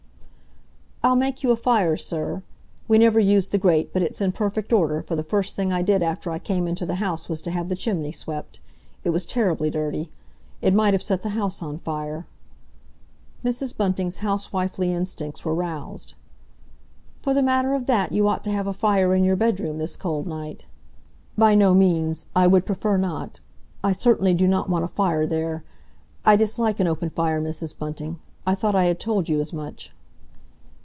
"I'll make you a fire, sir. We never use the grate, but it's in perfect order, for the first thing I did after I came into the house was to have the chimney swept. It was terribly dirty. It might have set the house on fire." Mrs. Bunting's housewifely instincts were roused. "For the matter of that, you ought to have a fire in your bedroom this cold night." "By no means—I would prefer not. I certainly do not want a fire there. I dislike an open fire, Mrs. Bunting. I thought I had told you as much."